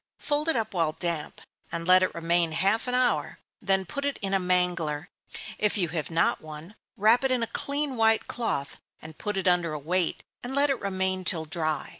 Fold it up while damp, and let it remain half an hour, then put it in a mangler if you have not one, wrap it in a clean white cloth, and put it under a weight, and let it remain till dry.